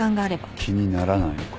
気にならないのか？